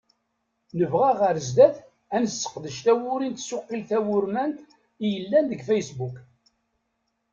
Nebɣa ɣer sdat ad nesseqdec tawuri n tsuqilt tawurmant i yellan deg Facebook.